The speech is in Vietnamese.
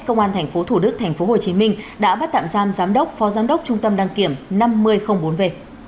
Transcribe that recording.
công an tp thủ đức tp hcm đã bắt tạm giam giám đốc phó giám đốc trung tâm đăng kiểm năm mươi bốn v